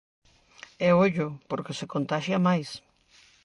E ollo, porque se contaxia máis.